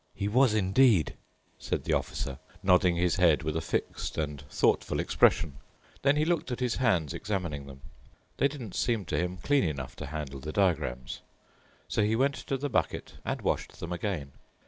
"He was indeed," said the Officer, nodding his head with a fixed and thoughtful expression. Then he looked at his hands, examining them. They didn't seem to him clean enough to handle the diagrams. So he went to the bucket and washed them again.